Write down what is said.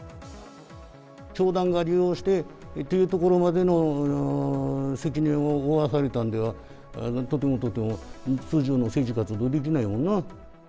教団が利用してというところまでの責任を負わされたんでは、とてもとても通常の政治活動はできないもんな。